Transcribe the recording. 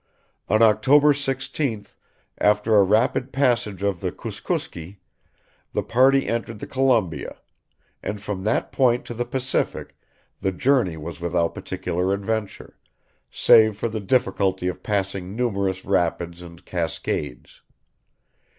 On October 16th, after a rapid passage of the Kooskooskee, the party entered the Columbia; and from that point to the Pacific the journey was without particular adventure, save for the difficulty of passing numerous rapids and cascades.